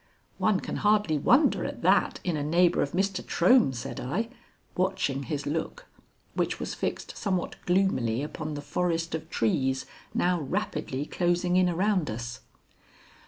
"One can hardly wonder at that in a neighbor of Mr. Trohm," said I, watching his look, which was fixed somewhat gloomily upon the forest of trees now rapidly closing in around us.